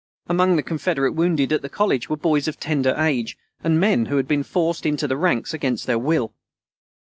Among the Confederate wounded at the College were boys of tender age and men who had been forced into the ranks against their will.